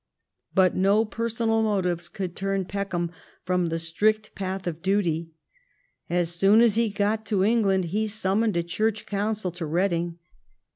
But no personal motives could turn Peckham from the strict })ath of duty. As soon as he got to England he sum moned a Church council to Reading.